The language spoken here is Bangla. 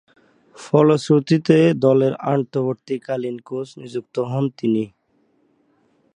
ফলশ্রুতিতে দলের অন্তর্বর্তীকালীন কোচ নিযুক্ত হন তিনি।